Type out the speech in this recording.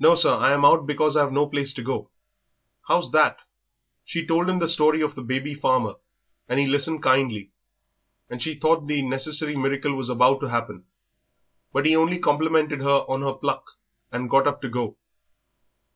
"No, sir; I'm out because I've no place to go." "How's that?" She told him the story of the baby farmer and he listened kindly, and she thought the necessary miracle was about to happen. But he only complimented her on her pluck and got up to go.